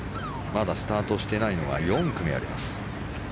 まだスタートしていないのは４組あります。